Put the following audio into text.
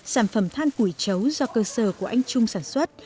sản phẩm than củi chấu do cơ sở của anh trung sản xuất